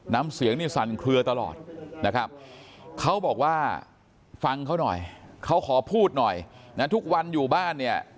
น้ำเสียงนี่สั่นเคลือตลอดนะครับเขาบอกว่าฟังเขาหน่อยเขาขอพูดหน่อยนะทุกวันอยู่บ้านเนี่ย